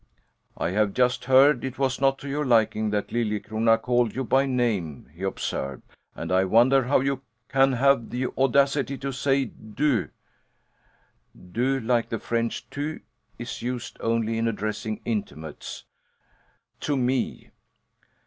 "I have just heard it was not to your liking that Liljecrona called you by name," he observed, "and I wonder how you can have the audacity to say du [Note: Du like the French "tu" is used only in addressing intimates.] to me!"